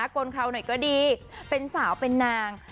กลเขาหน่อยก็ดีเป็นสาวเป็นนาง